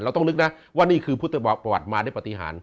ต้องนึกนะว่านี่คือพุทธประวัติมาด้วยปฏิหาร